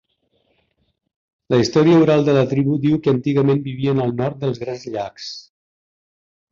La història oral de la tribu diu que antigament vivien al nord dels Grans Llacs.